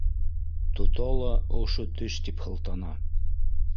— Тота ла ошо теш тип һылтана!